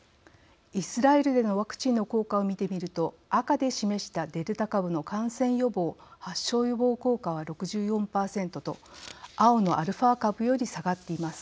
イスラエルでのワクチンの効果を見てみると赤で示したデルタ株の感染予防・発症予防効果は６４％と青のアルファ株より下がっています。